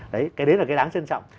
đấy cái đấy là cái đáng trân trọng